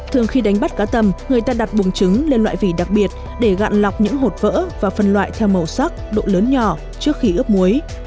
thường khi đánh bắt cá tầm người ta đặt bùng trứng lên loại vỉ đặc biệt để gặn lọc những hộp vỡ và phân loại theo màu sắc độ lớn nhỏ trước khi ướp muối